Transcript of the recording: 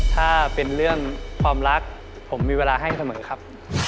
ถ้าเป็นเรื่องความรักผมมีเวลาให้เสมอครับ